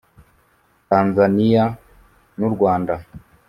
Tanzania n’u Rwanda